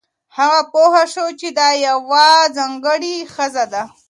هغه پوه شو چې دا یوه ځانګړې ښځه ده.